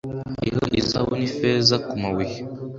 hariho izahabu n ifeza ku mabuye